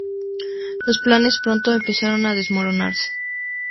Los planes pronto empezaron a desmoronarse.